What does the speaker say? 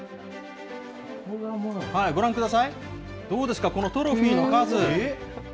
ご覧ください、どうですか、このトロフィーの数。